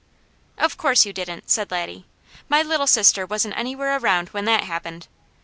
"Of course you didn't!" said Laddie. "My Little Sister wasn't anywhere around when that happened.